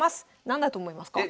何だと思いますか？